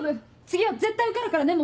次は絶対受かるからね